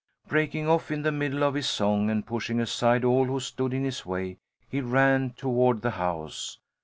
Breaking off in the middle of his song and pushing aside all who stood in his way, he ran toward the house.